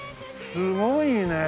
すごいね。